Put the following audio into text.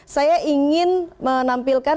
saya ingin menampilkan